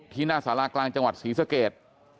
ที่หน้าศาลากลางจังหวัดศรีษภเกต